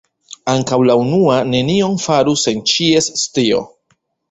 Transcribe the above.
Ankaŭ la unua nenion faru sen ĉies scio.